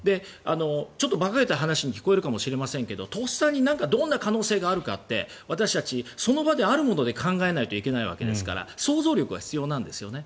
ちょっと馬鹿げた話に聞こえるかもしれませんがとっさにどんな可能性があるかって私たちその場であるもので考えないといけないわけですから想像力が必要なんですね。